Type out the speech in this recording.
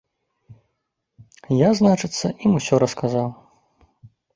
Я, значыцца, ім усё расказаў.